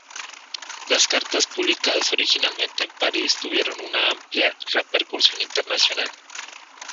Las cartas publicadas originalmente en París tuvieron una amplia repercusión internacional.